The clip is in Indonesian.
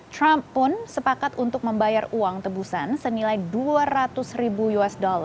trump pun sepakat untuk membayar uang tebusan senilai dua ratus ribu usd